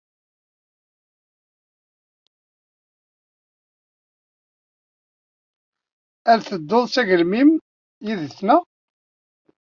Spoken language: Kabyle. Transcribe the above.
Ad tedduḍ s agelmim yid-nteɣ?